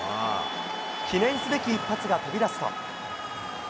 記念すべき一発が飛び出すと。